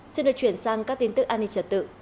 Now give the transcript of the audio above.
xin được chuyển sang các tin tức an ninh trật tự